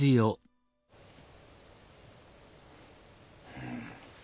うん。